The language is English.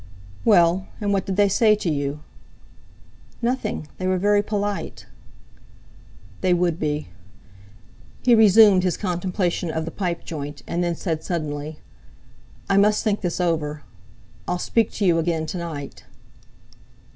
"Well, and what did they say to you?" "Nothing. They were very polite." "They would be." He resumed his contemplation of the pipe joint, and then said suddenly: "I must think this over—I'll speak to you again to night."